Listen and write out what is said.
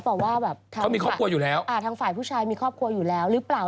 เพราะว่าแบบทั้งฝ่ายผู้ชายมีครอบครัวอยู่แล้วหรือเปล่า